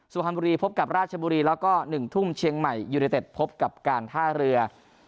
สุพรรณบุรีพบกับราชบุรีแล้วก็๑ทุ่มเชียงใหม่ยูเนเต็ดพบกับการท่าเรือ